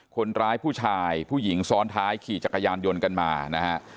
คนร้ายผู้ชายผู้หญิงซ้อนท้ายขี่จักรยานยนต์กันมานะฮะ